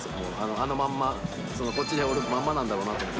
あのまんま、こっちでおるまんまなんだろうなと。